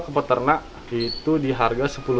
ke peternak itu di harga